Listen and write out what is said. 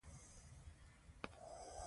یو بل ته د همکارۍ لاس اوږد کړئ.